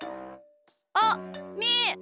あっみー！